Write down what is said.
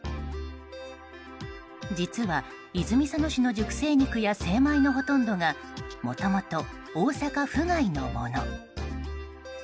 実は、泉佐野市の熟成肉や精米のほとんどがもともと大阪府外のもの。